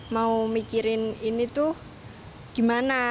mau mikirin ini tuh gimana